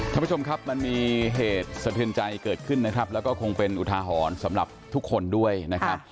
ท่านผู้ชมครับมันมีเหตุสะเทือนใจเกิดขึ้นนะครับแล้วก็คงเป็นอุทาหรณ์สำหรับทุกคนด้วยนะครับ